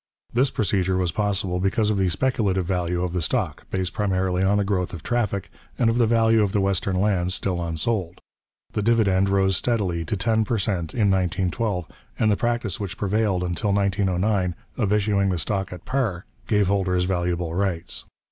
This procedure was possible because of the speculative value of the stock, based primarily on the growth of traffic, and of the value of the western lands still unsold: the dividend rose steadily to ten per cent in 1912, and the practice which prevailed until 1909 of issuing the stock at par gave holders valuable rights.